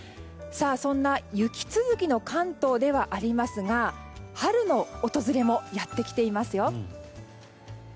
そんな雪続きの関東ではありますが春の訪れもやってきていますよ。